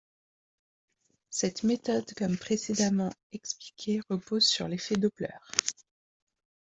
Cette méthode comme précédemment expliqué repose sur l’effet Doppler.